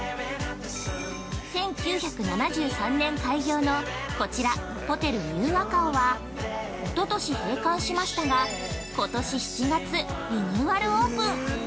◆１９７３年開業のこちら、ホテルニューアカオはおととし閉館しましたがことし７月リニューアルオープン。